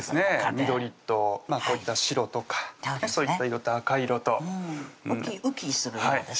緑とこういった白とかそういった色と赤色とウキウキする色ですね